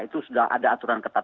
itu sudah ada aturan ketat